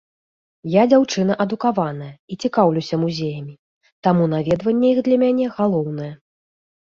Я дзяўчына адукаваная і цікаўлюся музеямі, таму наведванне іх для мяне галоўнае.